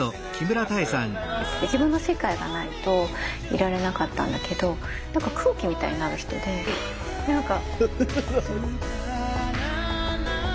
自分の世界がないといられなかったんだけど何か空気みたいになる人で何か。